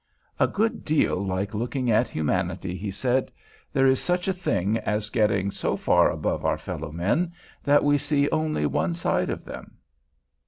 "A good deal like looking at humanity," he said; "there is such a thing as getting so far above our fellow men that we see only one side of them."